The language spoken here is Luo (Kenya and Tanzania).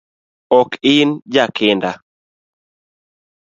Ok in jakinda